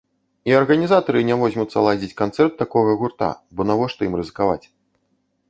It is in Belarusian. І арганізатары не возьмуцца ладзіць канцэрт такога гурта, бо навошта ім рызыкаваць.